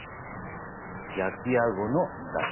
焼きあごのだし。